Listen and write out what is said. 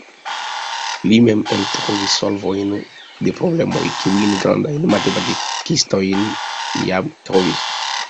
Li mem eltrovis solvojn de problemoj, kiujn grandaj matematikistoj jam trovis.